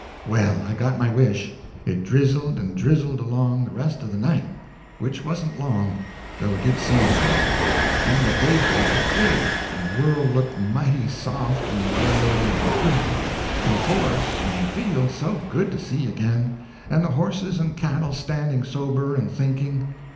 Well, I got my wish. It drizzled and drizzled along the rest of the night, which wasn't long, though it did seem so; and at daybreak it cleared, and the world looked mighty soft and gray and pretty, and the forests and fields so good to see again, and the horses and cattle standing sober and thinking.